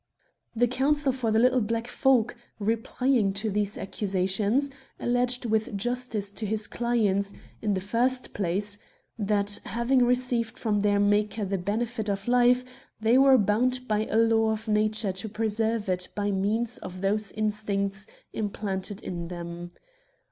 "The counsel for the little black folk, replying to these accusations, alleged with justice to his clients, in the first place : That, having received from their Maker the benefit of life, they were bound by a law of nature to preserve it by means of those instincts implanted in them.